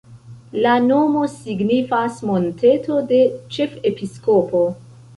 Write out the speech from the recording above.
La nomo signifas monteto-de-ĉefepiskopo.